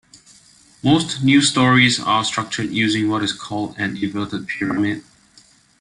Most news stories are structured using what is called an inverted pyramid.